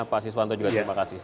pak siswanto juga terima kasih